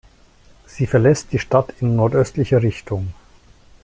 Sie verlässt die Stadt in nordöstlicher Richtung.